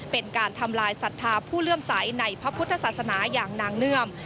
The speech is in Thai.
เป็นการทำลายศรัทธาผู้เลื่อมใสในพระพุทธศาสนาอย่างนางเนื่อม